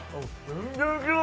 全然違う！